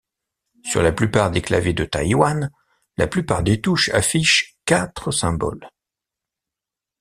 Sur la plupart des claviers de Taïwan, la plupart des touches affichent quatre symboles.